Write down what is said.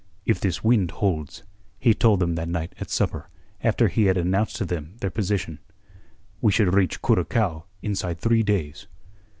"If this wind holds," he told them that night at supper, after he had announced to them their position, "we should reach Curacao inside three days."